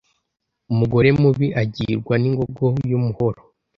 Umugore mubi agirwa n’ingongo y’umuhoro.